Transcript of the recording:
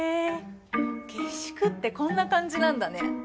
下宿ってこんな感じなんだね。